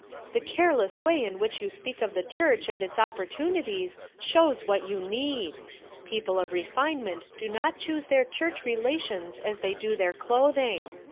"The careless way in which you FOUR MOTHERS AT CHAUTAUQUA 39 speak of the church, and its opportunities shows what you need. People of refinement do not choose their church relations as they do their clothing